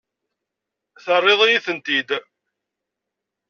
Terriḍ-iyi-ten-id.